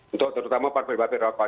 untuk terutama pabrik pabrik rokok